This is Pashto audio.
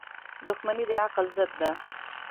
• دښمني د عقل ضد ده.